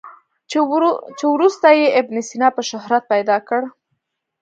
چې وروسته یې ابن سینا په شهرت پیدا کړ.